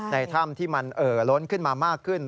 ในถ้ำที่มันเอ่อล้นขึ้นมามากขึ้น